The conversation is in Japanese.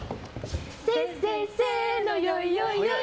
せっせせーの、よいよいよい。